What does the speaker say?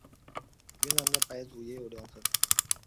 云南的白族也有凉粉。